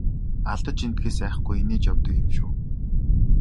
Алдаж эндэхээс айхгүй инээж явдаг юм шүү!